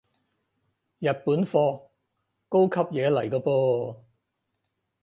日本貨，高級嘢嚟個噃